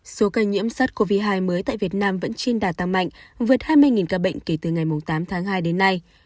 số ca nhiễm sars cov hai mới tại việt nam vẫn trên đà tăng mạnh vượt hai mươi ca bệnh kể từ ngày tám tháng hai đến nay